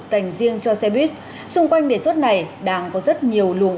dành riêng cho xe buýt xung quanh đề xuất này đang có rất nhiều luồng